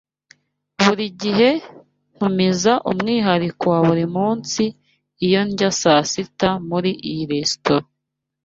Buri gihe ntumiza umwihariko wa buri munsi iyo ndya saa sita muri iyi resitora.